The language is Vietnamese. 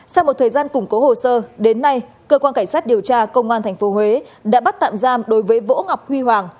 sau một thời gian củng cố hồ sơ đến nay cơ quan cảnh sát điều tra công an tp huế đã bắt tạm giam đối với võ ngọc huy hoàng